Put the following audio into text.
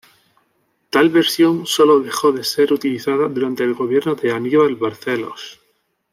Tal versión sólo dejó de ser utilizada durante el gobierno de Aníbal Barcelos.